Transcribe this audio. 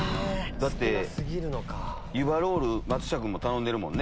だって湯葉ロールは松下君も頼んでるもんね。